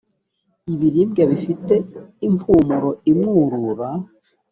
ibiribwa bifite impumuro imwurura.